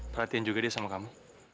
perhatiin juga dia sama kamu